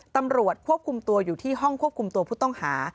ตำรวจควบคุมตัวอยู่ที่ห้องควบคุมตัวผู้ต้องหา